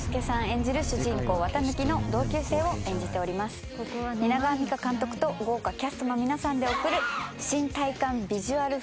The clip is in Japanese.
演じる主人公・四月一日の同級生を演じております蜷川実花監督と豪華キャストの皆さんで送る新体感ビジュアル